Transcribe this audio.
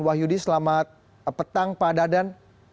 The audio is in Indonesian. pak yudi selamat petang pak dadan